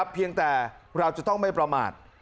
เพียงแต่เราจะต้องไม่ประมาท